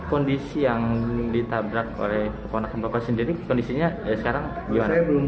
kondisi yang ditabrak oleh keponak keponak sendiri kondisinya sekarang ya saya belum